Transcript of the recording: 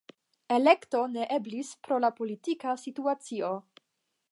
Elekto ne eblis pro la politika situacio.